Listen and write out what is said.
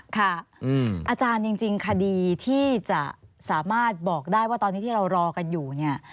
อาจารย์จริงคดีที่จะสามารถบอกได้ว่าตอนนี้ที่เรารอกันอยู่เนี่ย